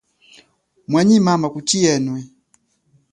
Mwanyi mama kuchi yenwe?